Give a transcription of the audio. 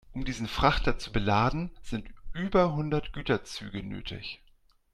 Um diesen Frachter zu beladen, sind über hundert Güterzüge nötig.